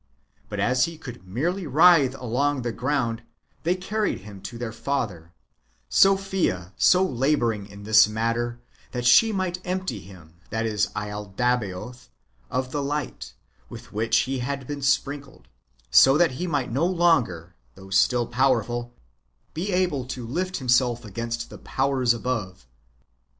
But as he could merely writhe along the ground, they carried him to their father ; Sophia so labouring in this matter, that she might empty him (lalda baoth) of the light with which he had been sprinkled, so that he might no longer, though still powerful, be able to lift up himself against the powers above.